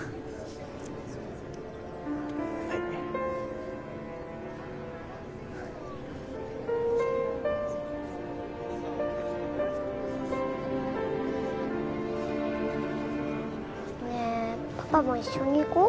はいねえパパも一緒に行こう